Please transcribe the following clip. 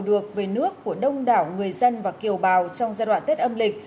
được về nước của đông đảo người dân và kiều bào trong giai đoạn tết âm lịch